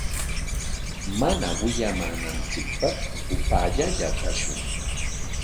Mana wiyamananchikpaq upaallalla kashun.